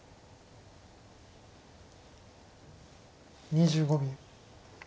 ２５秒。